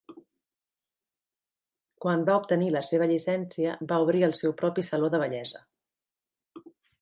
Quan va obtenir la seva llicència, va obrir el seu propi saló de bellesa.